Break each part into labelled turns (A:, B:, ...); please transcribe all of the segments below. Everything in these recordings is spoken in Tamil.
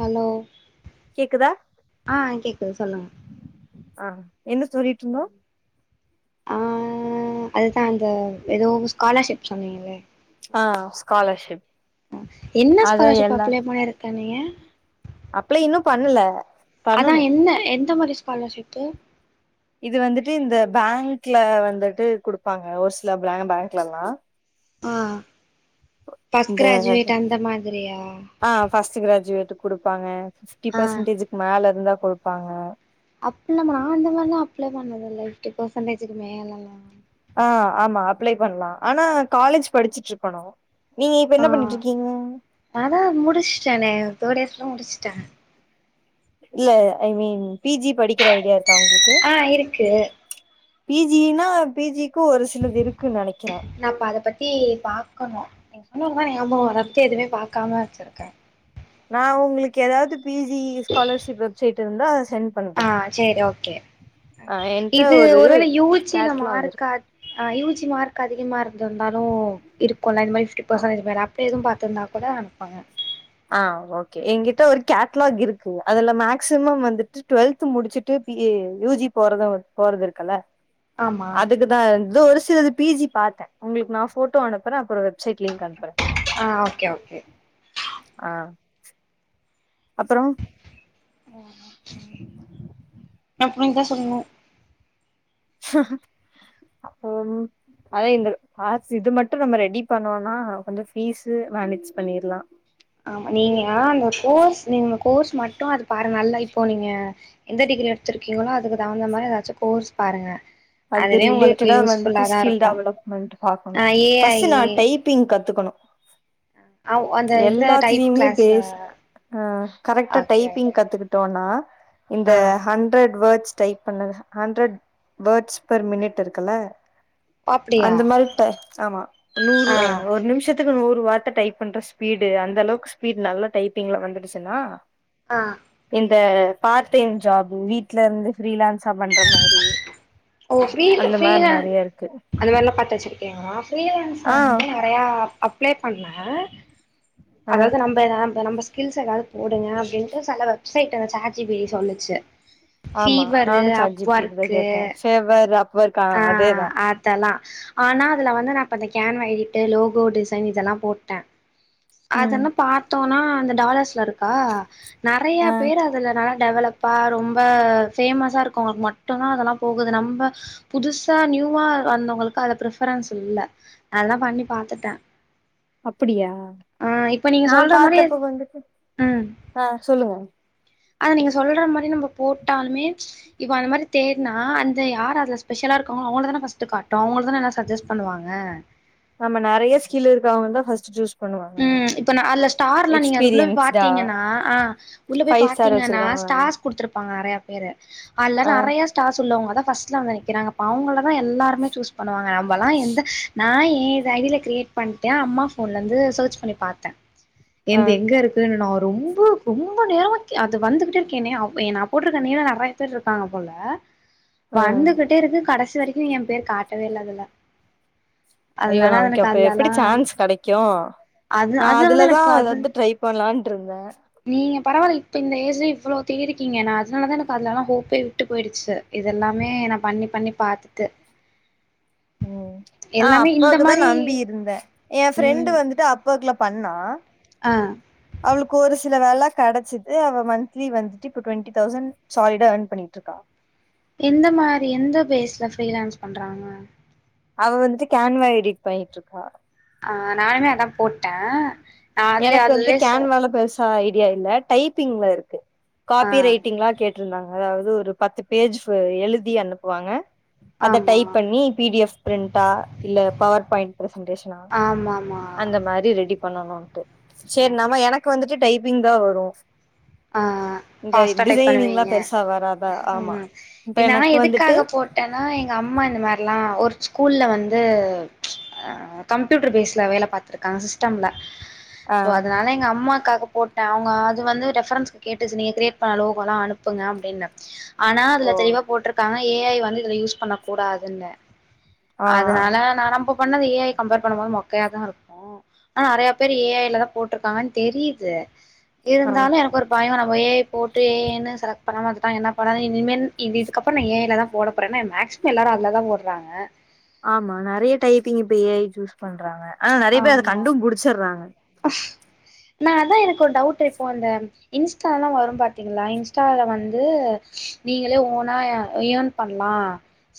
A: ஹலோ
B: கேக்குதா
A: ஆ கேக்குது சொல்லுங்க
B: ஆ என்ன சொல்லிட்டு இருந்தோ
A: ஆ அதுதா அந்த எதோ ஸ்காலர்ஷிப் சொன்னீங்களே
B: ஆ ஸ்காலர்ஷிப்
A: என்ன
B: அத
A: ஸ்காலர்ஷிப் அப்ளே பண்ணிருக்கன்னீங்க
B: அப்ளே இன்னு பண்ல
A: அதா என்ன எந்த மாரி ஸ்காலர்ஷிப்பு
B: இது வந்துட்டு இந்த பேங்க்ல வந்துட்டு குடுப்பாங்க ஒரு சில பே பேங்க்லலா
A: ஆ பர்ஸ்ட்
B: இந்த
A: கிராஜுவேட் அந்த மாதிரியா
B: ஆ ஃபர்ஸ்ட் கிராஜுவேட்க்கு குடுப்பாங்க ஃபிப்டி
A: ஆ
B: பர்சன்டேஜுக்கு மேல இருந்தா குடுப்பாங்க
A: அப்ளமா நா அந்த மாரிலா அப்ளே பண்ணது இல்ல ஃபிப்டி பெர்சன்டேஜுக்கு மேலலா
B: ஆ ஆமா அப்ளே பண்லா ஆனா காலேஜ் படிச்சுட்ருக்கணோ நீங்க இப்ப என்ன பண்ணிட்ருக்கீங்க
A: நா தா முடிச்சுட்டானே தேர்ட் டேஸ்ல முடிச்ட்ட
B: இல்ல ஐ மீன் பி ஜி படிக்கிற ஐடியா இருக்கா உங்குளுக்
A: ஆ இருக்கு
B: பி ஜினா பி ஜிக்கோ ஒரு ஸ் சின்னது இருக்குன்னு நெனைக்குற
A: நம்ப அத பத்தி பாக்கனோ நீங்க சொன்னோனதா எங்க அம்மா [unintelligible] எதுவுமே பாக்காம வெச்சுருக்கே
B: நா உங்குளுக்கு ஏதாவது பி ஜி ஸ்காலர்ஷிப் வெப்சைட் இருந்தா அத சென்ட் பண்றே
A: ஆ செரி ஓக்கே
B: ஆ என்ட்ட
A: இது
B: ஒரு
A: ஒருவேள யூ ஜில
B: கேட்லாக் இருக்கு
A: மார்க்கா ஆ யூ ஜி மார்க் அதிகமா இருந்து இருந்தாலு இருக்கோல இத மாரி ஸ்கி பர்சனேட்டேஜ் மாரி அப்ப எதும் பாத்துருந்தா கூட அனுப்புங்க
B: ஆ ஓக்கே ஏங்கிட்ட ஒரு கேட்லாக் இருக்கு அதுல மேக்சிமம் வந்துட்டு டுவெல்த்து முடிச்சுட்டு பி யூ ஜி போறதோ போறதுறுக்குல்ல
A: ஆமா
B: அதுக்கு இதா ஒரு சிலது பி ஜி பாத்தே உங்குளுக்கு நா ஃபோட்டோ அனுப்புறே அப்புறோ வெப்சைட் லிங்க் அனுப்புறே
A: ஆ ஓகே ஓகே
B: ஆ அப்பறோ
A: மூ வான்
B: [inaudible]
A: அப்டீன்னுதா சொல்லணோ
B: [unintelligible] அதா இந்த ப இது மட்டு நம்ம ரெடி பண்ணோம்னா வந்து பீஸு மேனேஜ் பண்ணிடலா
A: ஆமா நீங்க அந்த கோர்ஸ் நீங்க கோர்ஸ் மட்டு அது பாரு நல்லா இப்போ நீங்க எந்த டிகிரி எடுத்திருக்கீங்களோ அதுக்கு தகுந்த மாதிரி ஏதாச்சு கோர்ஸ் பாருங்க
B: அது
A: அதுவே உங்களுக்கு
B: ரிலேட்டடா வந்துட்டு
A: யூஸ்ஃபுல்லா தா
B: ஸ்கில்
A: இருக்கு
B: டெவலப்மெண்ட் பாக்கணோ
A: ஆ ஏ ஐ
B: பர்ஸ்ட்டு நா டைப் பிங்க் கத்துக்கணோ
A: ஆ அந்த இந்த டைப்
B: எல்லாத்துலயுமே
A: கிளாஸ்
B: பேசிக் ஆ கரெக்டா
A: ஓகே
B: டைப்பிங்
A: ஓகே
B: கத்துக்கிட் டோனா இந்த
A: ஆ
B: ஹண்ட்ரட் வேர்ட்ஸ் டைப் பண்ணது ஹண்ட்ரட் வேர்ட்ஸ் பர் மினிட் இருக்குல
A: அப்டியா
B: அந்த மாரி டை ஆமா நூறு
A: ஆ
B: அ ஒரு நிம்ஷத் த்துகுனு ஒரு வார்த்த டைப் பண்ற ஸ்பீடு அந்த அளவுக்கு ஸ்பீடு நல்லா டைப்பிங்ல வந்துடுச்சுன்னா
A: ஆ
B: இந்த பார்ட் டைம் ஜாப் வீட்ல இருந்து ஃப்ரீலான்ஸா பண்ற மாரி
A: ஓ ஃப்ரீ
B: அந்த மாரி
A: ஃப்ரீலான்ஸ்
B: நெறைய இருக்கு
A: அது மாரிலா பாத்து வச்சிருக்கீங்களா ஃப்ரீலான்ஸா
B: ஆ
A: நறையா அப்ளை பண்ண
B: ஆ
A: அதாவ்து நம் நம்ம ஸ்கில்ஸ் ஏதாவ்து போடுங்க அப்டின்ட்டு சில website chat G P T சொல்லுச்சு Fiverr Upwork
B: Fiverr Upwork அதேதா
A: அதலா ஆனா அதுல வந்து நான் இப்ப கேன் வயிட்டு லோகோ டிசைன் இதெல்லாம் போட்டேன்
B: ம்
A: அதன்ன பாத்தோனா அந்த டாலர்ஸ்ல இருக்கா நறைய
B: ஆ
A: பேர் அதுல டெவலப்பா ரொம்ப ஃபேமஸா இருக்கோவங்களுக்கு மட்டுந்தா அதெல்லா போகுது நம்ம புதுசா நியூவா வந்தவுங்களுக்கு அத ப்ரஃபரன்ஸ் இல்ல அதா பண்ணி பாத்துட்ட
B: அப்படியா
A: இப்ப நீங்க
B: நா
A: சொல்ற மாரி
B: பாத்தப்ப வந்துட்டு ஆ சொல்லுங்க
A: அதா நீங்க சொல்ற மாரி நம்ம போட்டாலுமே இப்போ அந்த மாரி தேர்னா அந்த யார் அதுல ஸ்பெஷலா இருங்காங்களோ அவுங்கள தான ஃபஸ்ட்டு காட்டு அவுங்களுக்கு தான சஜஸ்ட் பண்ணுவாங்க
B: ஆமா நறைய ஸ்கில் இருக்குறவங்கள தா ஃபர்ஸ்ட் சூஸ் பண்ணுவாங்க
A: ம் இப்ப ந அதுல ஸ்டார்ல்லா நீங்க அது குள்ள போய்
B: எக்ஸ்பீரியன்ஸ்டா
A: பாத்தீங்கன்னா ஆ உள்ள போய்
B: ஃபைவ் ஸ்டார்
A: பாத்தீங்கன்னா
B: வச்சிருக்காங்க
A: ஸ்டார்ஸ் குடுத்துருப்பாங்க நறைய பேரு அதுல்ல
B: ஆ
A: நறைய ஸ்டார்ஸ் உள்ளவங்களதா ஃபர்ஸ்ட்ல வந்து நிக்கிறாங்க அப்ப அவுங்களதா எல்லாருமே சூஸ் பண்ணுவாங்க நம்மல்லா எந்த நா ஏன் இது ஐ டி ல கிரியேட் பண்ணிட்டே அம்மா ஃபோன்ல இருந்து சர்ச் பண்ணி பார்த்தே
B: ஆ
A: என்து எங்க இருக்குன்னு நா ரொம்ப ரொம்ப நேரமா அது வந்துகிட்டே இருக்கே நா போட்ருக்க நேம்ல நறைய பேரு இருக்காங்க போல
B: ஆ
A: வந்துகிட்டே இருக்கு கடைசி வரைக்கூ என் பேர் காட்டவே இல்ல அதுல
B: ஐயோ
A: அதனால
B: நமக்கு
A: எனக்கு
B: அப்ப எப்பிடி
A: அதுலல்லா
B: சான்ஸ் கெடைக்கூ
A: அது
B: நா
A: அதனாலதா
B: அதுலதா
A: எனக்கு அது
B: எதாவ்து ட்ரை பண்லான்ட்ருந்தே
A: நீங்க பரவால்ல இப்போ இந்த ஏஜ்ல இவ்வளோ தேடிருக்கீங்க நா அதனால தா எனக்கு அதுலலா ஹோப்பே விட்டு போயிடுச்சு இதெல்லாமே நா பண்ணி பண்ணி பாத்துட்டு
B: ம் நா
A: எல்லாமே இந்த
B: அப்பாக்குதா
A: மாரி
B: நம்பி இருந்தே என் ஃப்ரெண்டு
A: ம்
B: வந்துட்டு அப் போக்ல பண்ணா
A: ஆ
B: அவளுக்கு ஒரு சில வேல கெடச்சிது அவ மந்த்லி வந்துட்டு இப்ப டுவெண்டி தௌசண்ட் சாலிடா ஏர்ன் பண்ணிட்டுருக்கா
A: எந்த மாரி எந்த பேஸ்ல ஃப்ரீலான்ஸ் பண்றாங்க
B: அவ வந்துட்டு கேன்வா எடிட் பண்ணிட்ருக்கா
A: ஆ நானுமே அதா போட்
B: எனக்கு வந்து கேன்வால பெருசா ஐடியா இல்ல டைப்பிங்ல இருக்கு
A: ஆ
B: காபி ரைட் ட்டீங்களா கேட்ருந்தாங்க அதாவ்து ஒரு பத்து பேஜ் எழுதி அனுப்புவாங்க அத
A: ஆமா
B: டைப் பண்ணி பி டி எஃப் பிரிண்டா இல்ல பவர் பாய்ண்ட் பிரசன்டேஷன் னா
A: ஆமாமா
B: அந்த மாரி ரெடி பண்ணணுன்ட்டு சேரி நாம
A: ஓகே
B: எனக்கு வந்துட்டு டைப்பிங் தா வரு
A: ஆ
B: இந்த
A: ஃபாஸ்ட்டா டைப்
B: டிசைனிங்லா
A: பண்ணுவீங்க
B: பெருசா வராதா ஆமா
A: ம்
B: இப்ப
A: நா
B: எனக்கு வந்துட்டு
A: எதுக்காக போ ட்டனா எங்க அம்மா இந்த மார்லா ஒரு ஸ்கூல்ல வந்து கம்ப்யூட்டர் பேஸ்ல வேல பாத்துருக்காங்க சிஸ்டம்ல
B: ஆ
A: சோ அதனால எங்க அம்மாக்காக போட்டே அவுங்க அது வந்து ரெஃப் ரன்ஸ் கேட்டுச்சு நீங்க க்ரியேட் பண்ண லோகோலா அனுப்புங்க அப்டின்னு ஆனா அதுல
B: ஓ
A: தெளிவா போட்ருக்காங்க ஏ ஐ வந்து இதுல யூஸ் பண்ணக்கூடாதுன்னு
B: ஆ
A: அதனால நா நம்ப பண்ணது ஏ ஐ கம்பேர் பண்ணும்போது மொக்கையாதா இருக்கு ஆனா நறைய பேர் ஏ ஐலதா போட்ருக்காங்கன் தெரிது
B: ஆ
A: இருந்தாலு எனக்கு ஒரு பயோ நம்ம ஏ ஐ போட்டு ஏ ஐன்னு செலக்ட் பண்ணாம விட்டுட்டா என்ன பண்ணது இனிமேல் இனி இதுக்கப்புறோ நா ஏ ஐலதா போட போறே எனா மேக்ஸ்சிமம் எல்லாரு அதுலதா போட்றாங்க
B: ஆமா நறைய டைப்பிங் இப்ப ஏ ஐ சூஸ் பண்றாங்க ஆனா நறைய பேர் அத
A: ஆமா
B: கண்டும்புடிச்சர்றாங்க
A: நா அத்தா எனக்கு ஒரு டவுட்டு இப்போ அந்த இன்ஸ்டால்லா வரு பாத்தீங்களா இன்ஸ்டால வந்து நீங்களே ஓனா ஏர்ன் பண்ணலா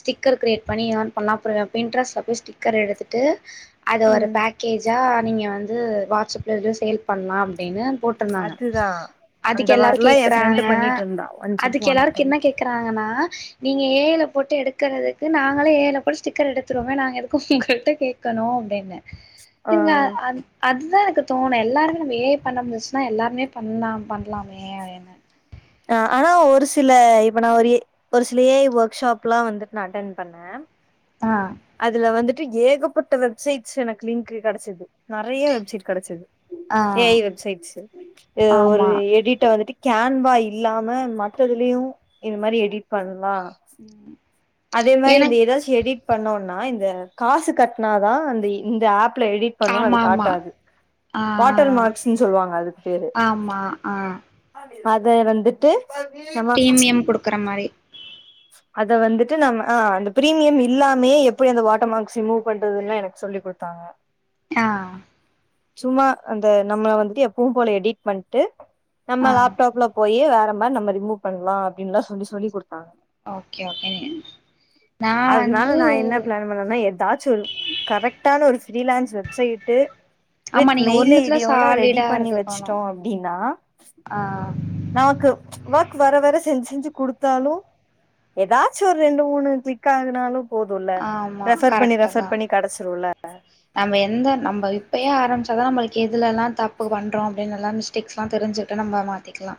A: ஸ்டிக்கர் க்ரியேட் பண்ணி ஏர்ன் பண்ணலா அப்றோ பின்ட்ரெஸ்ட்ல போய் ஸ்டிக்கர் எடுத்துட்டு அத ஒரு
B: ம்
A: பேக்கேஜா நீங்க வந்து வாட்ஸ்அப்ல வந்து சேல் பண்ணலா அப்டின்னு போட் ருந்தாங்க
B: அதுதா அந்த
A: அதுக்கு எல்லாரு
B: மாரிலா எ ஃப்ரெண்டு
A: கேக்குறாங்க
B: பண்ணிட்டு இருந்தா ஒன்ஸ்
A: அதுக்கு
B: அப்பான் எ
A: எல்லாரு
B: டைம்
A: என்ன கேக் றாங்கன்னா நீங்க ஏ ஐல போட்டு எடுக்கறதுக்கு நாங்களே ஏ ஐல போய் ஸ்டிக்கர் எடுத்துருவோமே நாங்க எதுக்கு உங்கள்ட்ட கேக் கணு அப்டின்னு
B: ஆ
A: இங்க அது அதுதா எனக்கு தோணு எல்லாருமே நம்ம ஏ ஐ பண்ண முச்சுன்னா எல்லாருமே பண்ணலா பண்ணலாமே ஏ ஐன்னு
B: ஆ ஆனா ஒரு சில இப்ப நா ஒரு ஏ ஒரு சிலே ஏ ஐ ஒர்க்ஷாப்ல்லா வந்துட் நா அட்டென் பண்ணே
A: ஆ
B: அதுல வந்துட்டு ஏகப்பட்ட வெப்சைட்ஸ் எனக்கு லிங்க்கு கெடச்சது நறைய வெப்சைட் கெடச்சது
A: ஆ
B: ஏ ஐ வெப்சைட்ஸ்ஷூ ஒரு
A: ஆமா
B: எடிட்ட வந்துட்டு கேன்வா இல்லாம மற்றதுலயு இது மாரி எடிட் பண்ணலா
A: ம்
B: அதே மாரி இந்த
A: எனக்
B: எதாச்சு எடிட் பண்ணோனா இந்த காசு கட்னாதா அந்த இந்த ஆப்ல எடிட் பண்ணுனு அது
A: ஆமா ஆமா
B: காட்டாது
A: ஆ ஆ
B: வாட்டர்
A: ஆ
B: மார்க்ஸுன் சொல்லுவாங்க அதுக்கு பேரு
A: ஆமா ஆ
B: அத வந்துட்டு நம்ம
A: பிரீமியம் குடுக்குற மாரி
B: அத வந்துட் ட்டு நாம ஆ அந்த பிரீமியம் இல்லாமயே எப்டி அந்த வாட்டர் மார்க்ஸ் ரிமூவ் பண்றதுன்லா எனக்கு சொல்லி குடுத்தாங்க அ
A: ஆ
B: சும்மா அந்த நம்ம வந்துட்டு எப்பவு போல எடிட் பண்ட்டு
A: ஆ
B: நம்ம லேப்டாப்ல போயே வேற மாரி நம்ம ரிமூவ் பண்லா அப்டின்லா சொல்லி சொல்லி குடுத்தாங்க
A: ஓகே ஓகே நா வந்து
B: பண்ணுனா எதாச்சு ஒரு கரெக்டான ஒரு ஃப்ரீலான்ஸ் வெப்சைட்டு
A: ஆமா
B: வித்
A: நீங்க
B: மெயில்
A: ஒன்னுத்துல
B: ஐடியோட ரெடி
A: சாலிடா
B: பண்ணி
A: இருந்துக்கணு
B: வெச்சுட்டோ அப்டினா
A: ஆ
B: நமக்கு ஒர்க் வர வர செஞ்சு செஞ்சு குடுத்தாலு எதா சு ஒரு ரெண்டு மூணு க்ளிக் ஆகுனாலு போதுல
A: ஆமா
B: ரெஃபர் பண்ணி
A: கரெக்ட்டு தா
B: ரெஃபர் பண்ணி கடச்சிருல
A: நம்ம எந்த நம்ம இப்பையே ஆரமிச்சாதா நம்மளுக்கு எதுலலா தப்பு பண்றோ அப்டின் எல்லா டெக்ஸ்லா தெரிஞ்சுட்டு நம்ம மாத்திக்கலா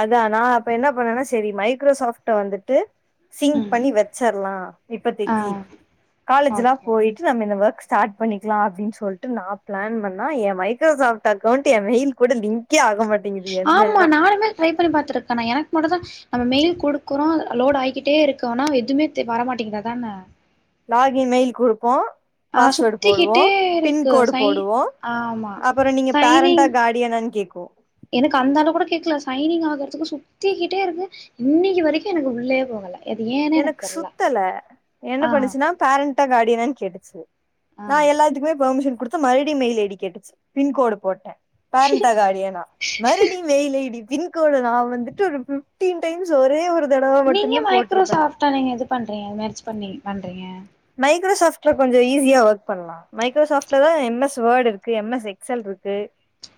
B: அதா நா அப்ப என்ன பண்ணனா செரி மைக்ரோசாப்ட வந்துட்டு சிங்
A: ம்
B: பண்ணி வெச்சற்லா
A: ஆ
B: இப்பத்திக்கி காலேஜுலா
A: ஓகே
B: போய்ட் நம்ம இந்த ஒர்க் ஸ்டார்ட் பண்ணிக்கலா அப்டின் சொல்ட்டு நா பிளான் பண்ணா எ மைக்ரோசாப்ட் அக்கவுண்ட் எ மெயில் கூட லிங்க் கே ஆகமாட்
A: ஆமா நானுமே ட்ரை பண்ணி பாத்துருக்க நா எனக்கு மட்டுதா நம்ம மெயில் குடுக்குறோ லோட் ஆகிக்கிட்டே இருக்கோனா எதுமே தெ வரமாட்டிக்குது அத்தான
B: லாகின் மெயில் குடுப்போ
A: ஆ
B: பாஸ்வேர்டு போடுவோ
A: சுத்திக்கிட்டே இருக்கு
B: பின்கோடு்
A: சை
B: போடுவோ
A: ஆமா
B: அப்றோ நீங்க பேரண்ட்டா
A: சைனிங்
B: காடியனான்னு கேக்கு
A: எனக்கு அந்த அளவு கூட கேக்கல சைனிங் ஆகறதுக்கு சுத்திக்கிட்டே இருக்கு இன்னைக்கு வரைக்கு எனக்கு உள்ளயே போகல அது ஏன்னே
B: எனக்கு
A: தெர்ல
B: சுத்தல என்ன
A: ஆ
B: பண்ணுச்சுன்னா பேரண்ட்டா கார்டியனான்னு கேட்டுச்சு
A: ஆ
B: நா எல்லாத்துக்குமே பர்மிஷன் குடுத் து மறுபடி மெயில் ஐ டி கேட்டுச்சு பின்கோடு போட்டே பேரன்ட்டா கார்டியனா மறுபடி mail I D pin code நா வந்துட்டு ஒரு பிஃப்டின் டைம்ஸ் ஒரே ஒரு தடவ
A: நீங்க
B: மட்டுமே போட்டிருப்பே
A: மைக்ரோசாப்டா நீங்க இது பண்றீங்க மேட்ச் பண்ணி பண்றீங்க
B: மைக்ரோசாப்ட்ல கொஞ்சோ ஈஸியா ஒர்க் பண்ணலா மைக்ரோசாப்ட்லதா எம் எஸ் வேர்டு இருக்கு எம் எஸ் எக்செல் இருக்கு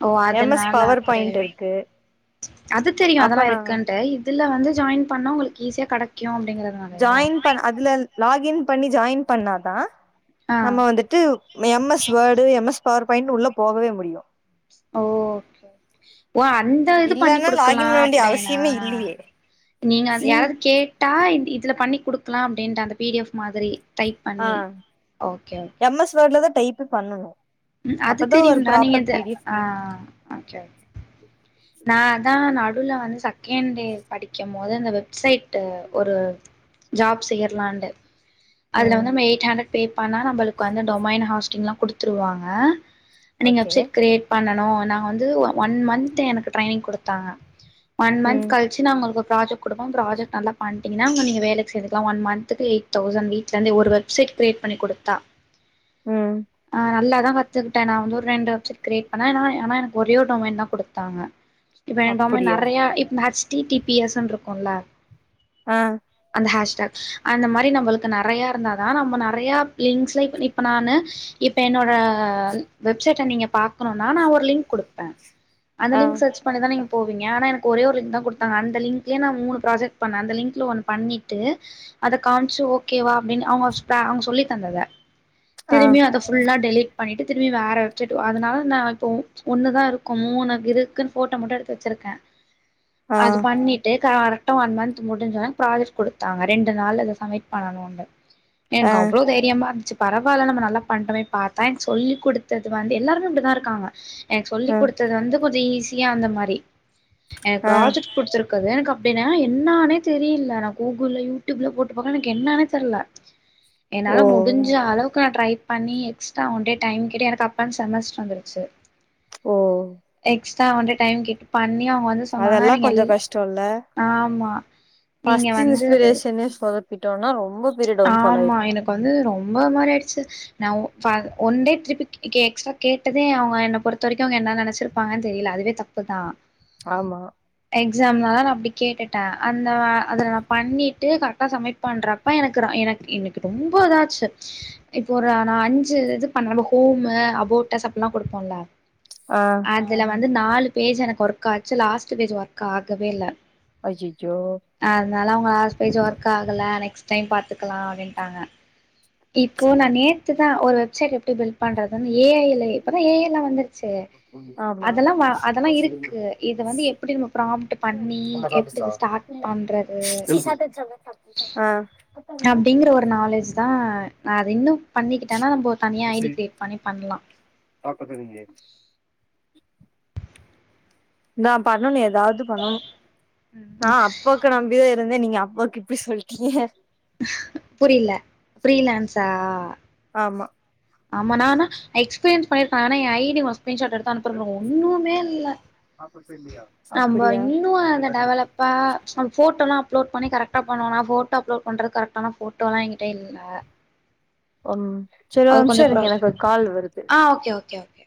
A: ஓ
B: எம் எஸ்
A: அதனால
B: பவர் பாயிண்ட்
A: அப்டி
B: இருக்கு
A: அது தெரியு
B: அப்ப
A: அதெல்லா
B: நா
A: இருக்கன்ட்டே இதுல வந்து ஜாயின் பண்ணா உங்களுக்கு ஈஸியா கெடைக்கு அப்டிங்கிற
B: ஜாயின் பண் அதுல லாகின் பண்ணி ஜாயின் பண்ணாதா
A: ஆ
B: நம்ம வந்துட்டு M S word M S power பாயிண்ட்னு உள்ள போகவே முடியு
A: ஓ ஓ அந்த இது பண்ணி
B: இல்லன்னா
A: குடுக்கலா
B: லாகின் பண்ண வேண்டிய
A: அப்டின்னா
B: அவசியமே இல்லையே
A: நீங்க அது
B: சிங்
A: யாராவது கேட்டா இதுல பண்ணி குடுக்கலா அப்டின்ட்டு அந்த பி டி எஃப் மாதிரி டைப்
B: ஆ
A: பண்ணி ஓகே ஓகே
B: எம் எஸ் வேர்டுல தா டைப்பு பண்ணணு
A: அது
B: அப்பதா ஒரு
A: தெரியுண்டா நீங்க
B: ப்ராப்பர்
A: இது
B: பி டி
A: ஆ
B: எஃப்
A: ஓகே நா தா நடுல வந்து செகண்ட் இயர் படிக்கும் போது அந்த வெப்சைட்டு ஒரு ஜாப் செய்யர்லாண்டு அதுல
B: ம்
A: வந்து நம்ம எய்ட் ஹண்ட்ரட் பே பண்ணா நம்மளுக்கு வந்து டொமைன் ஹாஸ்டிங்லா குடுத்துருவாங்க ஆ நீங்க
B: ஓகே
A: வெப்சைட் கிரியேட் பண்ணணு நா வந்து ஒன் மன்த் எனக்கு ட்ரெயினிங் குடுத்தாங்க ஒன் மன்த்
B: ம்
A: கள் வச்சு நாங்க உங்களுக்கு ப்ராஜக்ட் குடுப்போ ப்ராஜக்ட் நல்லா பண்ட்டீங்கன்னா அங்க நீங்க வேலைக்கு சேர்ந்துகலா ஒன் மன்த்துக்கு எய்ட் தௌசண்ட் வீட்லருந்தே ஒரு வெப்சைட் கிரியேட் பண்ணி குடுத்தா
B: ம்
A: ஆ நல்லாதா கத்துக்கிட்டே நா வந்து ஒரு ரெண்டு வெப்சைட் கிரியேட் பண்ணே ஆனா எனக்கு ஒரே ஒரு டொமைன் தா குடுத்தாங்க இப்ப என் டொமைன்
B: அப்படியா
A: நறையா இப்ப H T T P S ன்னு இருக்குல்ல
B: ஆ
A: அந்த ஹேஷ்டாக் அந்த மாதிரி நம்மளுக்கு நறையா இருந்தா தா நம்ம நறைய லிங்க்சை இப்ப நான்னு இப்ப என்னோட ஆ வெப்சைட்ட நீங்க பார்கணுன்னா நா ஒரு லிங்க் குடுப்பே அந்த
B: ஆ
A: லிங்க் சர்ச் பண்ணிதா நீங்க போவீங்க ஆனா எனக்கு ஒரே ஒரு லிங்க் தா கொடுத்தாங்க அந்த லிங்க்ளே நா மூணு ப்ராஜக்ட் பண்ணே அந்த லிங்க்ல ஒன் பண்ணிட்டு அத காமிச்சு ஓகேவா அப்டின்னு அவுங்க அவுங்க சொல்லி தந்தத
B: ஆ
A: திரிம்பியு அத ஃபுல்லா டெலிட் பண்ணிட்டு திரும்பி வேற வச்சுட்டு அதனால நா இப்போ ஒன்னு தா இருக்கும் மூணு இருக்குன்னு ஃபோட்டோ மட்டு எடுத்து வச்சுருக்கே
B: ஆ
A: அது பண்ணிட் டு கரெக்டா ஒன் மந்த் முடிஞ்சோன்ன ப்ராஜெக்ட் கொடுத்தாங்க ரெண்டு நாள்ல இத சமிட் பண்ணணுன்னு
B: ஆ
A: எனக்கு அவ்ளோ தைரியமா இருந்துச்சி பரவால நம்ம நல்லா பண்ட்டோமே பார் தேங்க்ஸ் சொல்லி கொடுத்தது வந்து எல்லாருமே இப்டிதா இருக்காங்க எனக்கு
B: ஆ
A: சொல்லிக் கொடுத்தது வந்து கொஞ்சோ ஈஸி தியு அந்த மாரி எனக்கு
B: ஆ
A: பிராஜெக்ட் புடிச்சிரு க்காது எனகஅப்டினா என்னானே தெரில நா கூகுள்ல யூடியூப்ல போட்டு பாக்க எனக் என்னானே தெர்ல என்னால
B: ஓ
A: முடிஞ்ச அளவுக்கு நா ட்ரை பண்ணி எக்ஸ்ட்ரா ஒன்டே டைம் கேட்டு எனக்கு அப்பன் செமஸ்ட்ரு வந்துருச்சு
B: ஓ
A: எக்ஸ்ட்ரா ஒன்டே டைம் கேட்டு பண்ணி அவங்க வந்து சொன்னாங்க
B: அதெல்லா
A: நீங்க எல்
B: கொஞ்சோ கஷ்டோல
A: ஆமா நீங்க
B: ஃபஸ்ட்டு
A: வந்து
B: இனுஸ்பிரேஷனே சொதப் பிட்டோணா ரொ
A: ஆமா எனக்கு வந்து ரொம்ப ஒரு மாரி ஆய்டுச்சு நா ஒ ஃபா ஒன்டே ட்ரிப்பு கே எக்ஸ்ட்ரா கேட்டதே அவ்ங்க என்ன பொறுத்த வரைக்கு அவ்ங்க என்ன நெனச்சிருப்பாங்கன் தெரில அதுவே தப் புதா
B: ஆமா
A: எக்ஸாம்னாலதா நா அப்டி கேட்டுட்ட அந்த வா அதுல நா பண்ணிட்டு கரெட்டா சமிட் பண்ற ப்ப எனக்குறா எனக் எனக்கு ரொம்போ இதாச்சு இப்போ ஒருனா நா அஞ்சு இது பண்ணுவம்ல ஹோமு அபோட்டஸ் அப்புல்லா குடுப்போல
B: ஆ
A: அதுல வந்து நாலு பேஜ் எனக்கு ஒர்க் ஆச்சு லாஸ்ட்டு பேஜ் ஒர்க் ஆகவே இல்ல
B: ஐயச்சோ
A: அதுனால அவ்ங்க லாஸ்ட் பேஜ் ஒர்க் ஆகல நெக்ஸ்ட் டைம் பாத்துக்குலா அப்டின்ட்டாங்க இப்போ நா நேத்துதா ஒரு வெப்சைட் எப்டி பில்ட் பண்றதுன் ஏ ஐ ல இப்பதா ஏ ஐ எல்லா வந்துருச்சே
B: ஆமா
A: அதெல்லா வா அதெல்லா இருக்கு இத வந்து எப்டி நம்ம ப்ராம்ட்டு பண்ணி எப்டி இத ஸ்டாட் பண்றது
B: ஆ
A: அப்டிங்கிற ஒரு நாலேஜ்தா நா அது இன்னு பண்ணிக்கிட்டனா நம்போ தனியா ஐ டி கிரியேட் பண்ணி பண்லா
B: அப்ப சரிங்கே நா பண்ணணு எதாவது பண்ணணு நா
A: ம்
B: அப்ப க்க நம்பிதா இருந்தே நீங்க அப்பக் இப்டி சொல்ட்டீங்க
A: புரில ஃப்ரீலான்ஸா
B: ஆமா
A: ஆமா நா ஆனா எக்ஸ்பீரியன்ஸ் பண்ணிருக்க ஆனா என் ஐ டி ஒரு ஸ்கிரீன் ஷாட் எடு த்து அனுப்புறோ பாருங்க ஒன்னுமே இல்ல நம்ம
B: அப்டியா
A: இன்னு அந்த டெவலப் இப்ப அது ஃபோட்டோலா அப்லோட் பண்ணி கரெக்ட்டா பண்ணணு நா ஃபோட்டோ அப்லோட் பண்றதுக் கரக்ட்டான ஃபோட்டோலா என்கிட்ட இல் இதுல
B: ஒரு நிம்ஷ் செரி ஒரு நிம்ஷோ
A: கொஞ்சோ
B: இரு
A: ப்ரா
B: எனக்கு ஒரு கால் வருது
A: ஆ ஓகே ஓகே ஓகே